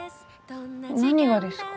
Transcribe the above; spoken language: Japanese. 何がですか？